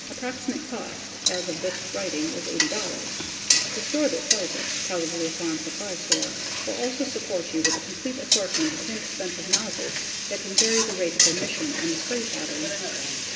Approximate cost as of this writing was $80. The store that sells it (probably a farm supply store) will also support you with a complete assortment of inexpensive nozzles that can vary the rate of emission and the spray pattern.